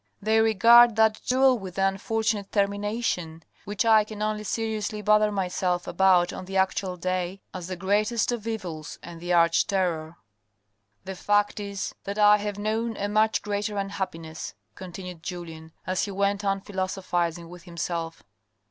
They regard that duel with an unfortunate termination, which I can only seriously bother myself about on the actual day, as the greatest of evils and the arch terror." " The fact is that I have known a much greater unhappiness," continued Julien, as he went on philosophising with himself.